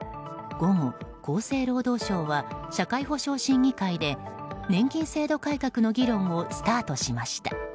午後、厚生労働省は社会保障審議会で年金制度改革の議論をスタートしました。